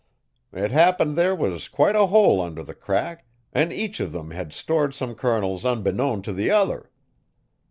It happened there was quite a hole under the crack an' each uv 'em bad stored some kernels unbeknown t' the other.